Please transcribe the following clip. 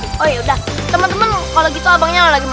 oh yaudah temen temen kalau gitu abangnya lagi mau